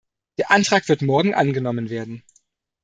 Der Antrag wird morgen angenommen werden.